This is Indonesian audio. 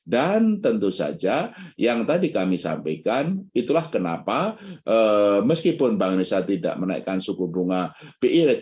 dan tentu saja yang tadi kami sampaikan itulah kenapa meskipun bank indonesia tidak menaikkan suku bunga bi rate